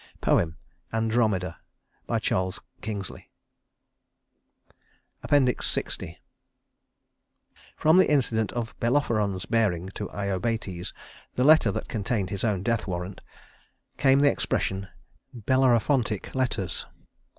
Poem: Andromeda CHARLES KINGSLEY LX From the incident of Bellerophon's bearing to Iobates the letters that contained his own death warrant, came the expression "Bellerophontic letters."